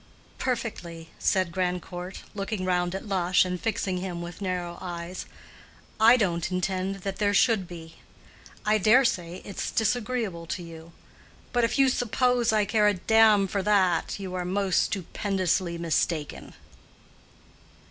"Perfectly," said Grandcourt, looking round at Lush and fixing him with narrow eyes; "I don't intend that there should be. I dare say it's disagreeable to you. But if you suppose I care a damn for that you are most stupendously mistaken."